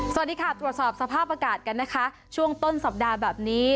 สวัสดีค่ะตรวจสอบสภาพอากาศกันนะคะช่วงต้นสัปดาห์แบบนี้